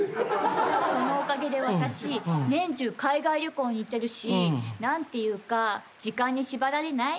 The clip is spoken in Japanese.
そのおかげで私年中海外旅行に行ってるし何ていうか時間に縛られない？